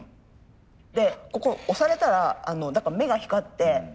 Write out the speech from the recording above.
でここ押されたら目が光って尻尾ブルッ